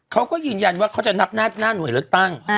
เขาก็ยืนยันว่าเขาจะนับหน้าหน่วยเลือกตั้ง